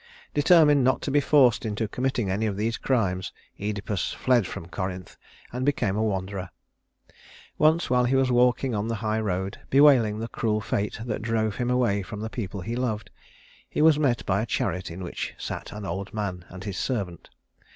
Determined not to be forced into committing any of these crimes, Œdipus fled from Corinth and became a wanderer. Once, while he was walking on the high road, bewailing the cruel fat that drove him away from the people he loved, he was met by a chariot in which sat an old man and his servant.